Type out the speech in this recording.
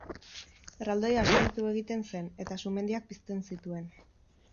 Erraldoia haserretu egiten zen eta sumendiak pizten zituen.